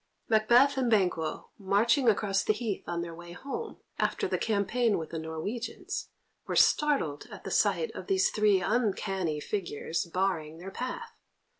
Macbeth and Banquo, marching across the heath on their way home, after the campaign with the Norwegians, were startled at the sight of these three uncanny figures barring their path.